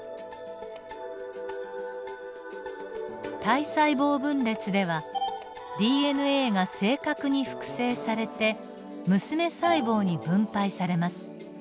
体細胞分裂ではＤＮＡが正確に複製されて娘細胞に分配されます。